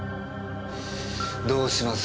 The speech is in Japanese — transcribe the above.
どうします？